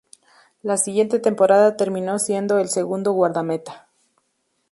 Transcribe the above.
La siguiente temporada terminó siendo el segundo guardameta.